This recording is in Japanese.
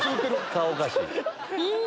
顔おかしい。